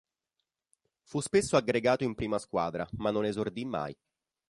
Fu spesso aggregato in prima squadra, ma non esordì mai.